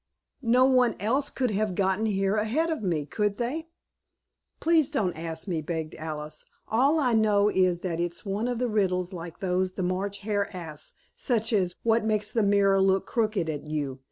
No one else could have gotten here ahead of me; could they?" "Please don't ask me," begged Alice. "All I know is that it's one of the riddles like those the March Hare asks, such as 'What makes the mirror look crooked at you?'